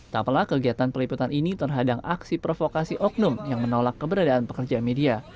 tak pelah kegiatan peliputan ini terhadang aksi provokasi oknum yang menolak keberadaan pekerja media